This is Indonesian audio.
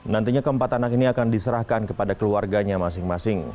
nantinya keempat anak ini akan diserahkan kepada keluarganya masing masing